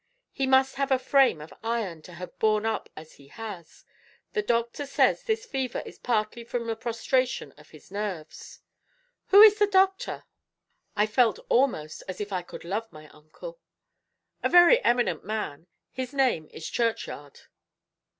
He must have a frame of iron to have borne up as he has. The doctor says this fever is partly from the prostration of the nerves." "Who is the doctor?" I felt almost as if I could love my uncle. "A very eminent man. His name is Churchyard."